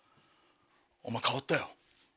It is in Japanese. お前変わったよ。